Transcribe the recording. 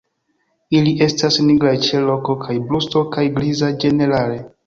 Ili estas nigraj ĉe kolo kaj brusto kaj grizaj ĝenerale.